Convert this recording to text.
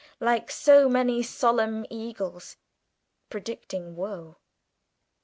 like so many Solomon Eagles predicting woe.